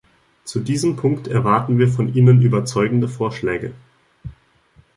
Zu diesem Punkt erwarten wir von Ihnen überzeugende Vorschläge.